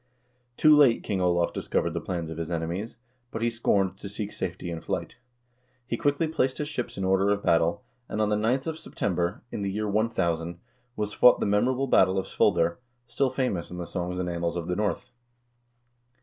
Too late King Olav discovered the plans of his enemies, but he scorned to seek safety in flight. He quickly placed his ships in order of battle, and on the 9th of September, in the year 1000, was fought the memorable battle of Svolder, still famous in the songs and annals of the North.